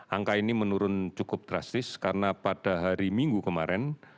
angka ini menurun cukup drastis karena pada hari minggu kemarin